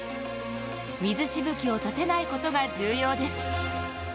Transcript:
水しぶきを立てないことが重要です。